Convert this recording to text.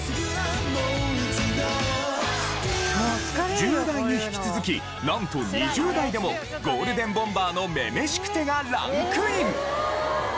１０代に引き続きなんと２０代でもゴールデンボンバーの『女々しくて』がランクイン！